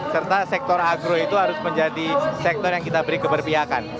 serta sektor agro itu harus menjadi sektor yang kita beri keberpihakan